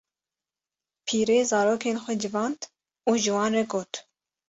pîrê zarokên xwe civand û ji wan re got: